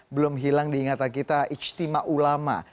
belum hilang diingatan kita ijtima ulama